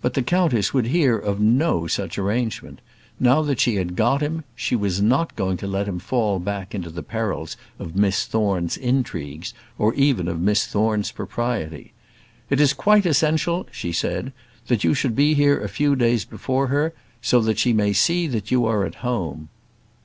But the countess would hear of no such arrangement. Now that she had got him, she was not going to let him fall back into the perils of Miss Thorne's intrigues, or even of Miss Thorne's propriety. "It is quite essential," she said, "that you should be here a few days before her, so that she may see that you are at home."